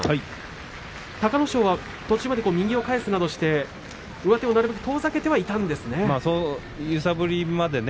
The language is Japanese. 隆の勝は途中まで右を返すなどして上手をなるべく遠ざけていたんですけれどね。